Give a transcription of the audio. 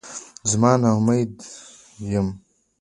زه نا امیده یم